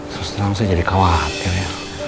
sejari saya jadi khawatir ya